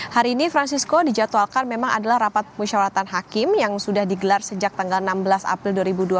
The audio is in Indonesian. hari ini francisco dijadwalkan memang adalah rapat musyawaratan hakim yang sudah digelar sejak tanggal enam belas april dua ribu dua puluh